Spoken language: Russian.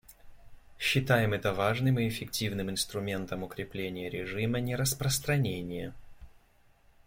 Считаем это важным и эффективным инструментом укрепления режима нераспространения.